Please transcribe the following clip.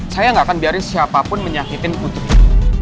saya nggak akan biarin siapapun menyakitin putri